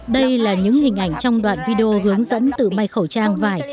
đây là những hình ảnh trong đoạn video hướng dẫn tự may khẩu trang vải